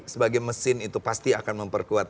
sebagai mesin itu pasti akan memperkuat